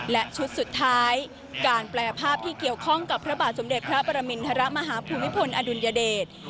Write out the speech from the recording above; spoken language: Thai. และชุดสุดท้ายการแปลภาพที่เกี่ยวข้องกับพระบาทสมเด็จพระปรมินทรมาฮภูมิพลอดุลยเดช